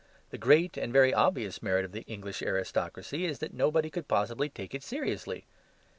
The great and very obvious merit of the English aristocracy is that nobody could possibly take it seriously.